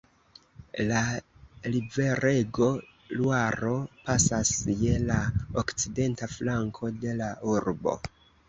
La riverego Luaro pasas je la okcidenta flanko de la urbo.